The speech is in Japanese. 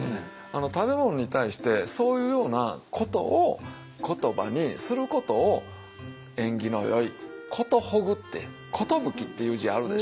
食べ物に対してそういうようなことを言葉にすることを縁起のよい「寿ぐ」って「寿」っていう字あるでしょ？